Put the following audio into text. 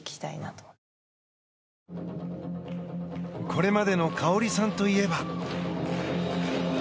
これまでの花織さんといえば。